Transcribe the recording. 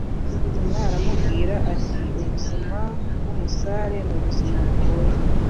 Nyina aramubwira ati: Ubuzima bw'umusare ni ubuzima bugoye.